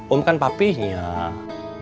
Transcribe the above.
om kan papih yah